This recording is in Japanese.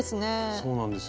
そうなんですよ